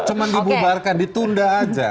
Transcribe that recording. cuma dibubarkan ditunda aja